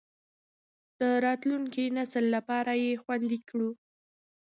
د راتلونکي نسل لپاره یې خوندي کړو.